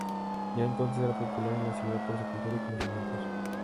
Ya entonces era popular en la ciudad por su cultura y conocimientos.